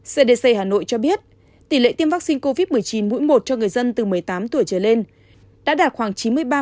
cdc hà nội cho biết tỷ lệ tiêm vaccine covid một mươi chín mũi một cho người dân từ một mươi tám tuổi trở lên đã đạt khoảng chín mươi ba